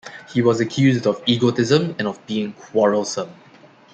He was accused of egotism and of being quarrelsome.